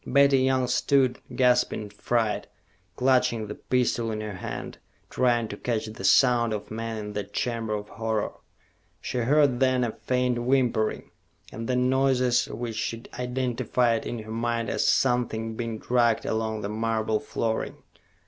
Betty Young stood, gasping in fright, clutching the pistol in her hand, trying to catch the sounds of men in that chamber of horror. She heard, then, a faint whimpering, and then noises which she identified in her mind as something being dragged along the marble flooring.